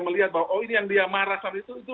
melihat bahwa oh ini yang dia marah saat itu